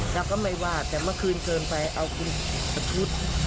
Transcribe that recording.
แล้วก็ไม่ว่าแต่เมื่อคืนเกินไปเอาพุทธ